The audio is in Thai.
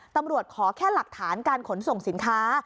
ขอแค่หลักฐานการขนส่งสินค้า